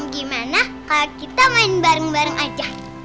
gimana kalau kita main bareng bareng aja